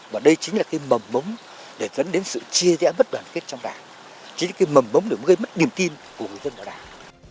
và đây chính là cái mầm mống để dẫn đến sự chia rẽ mất đoàn kết trong đảng chính là cái mầm bống để gây mất niềm tin của người dân vào đảng